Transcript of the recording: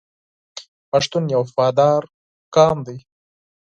پښتون یو وفادار قوم دی.